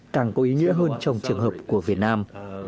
càng có ý nghĩa hơn trong trường hợp của việt nam